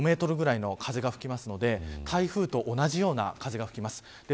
３５メートルくらいの風が吹きますので台風と同じような風が吹きます。